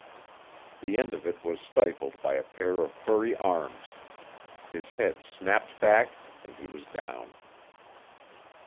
The end of it was stifled by a pair of furry arms. His head snapped back and he was down.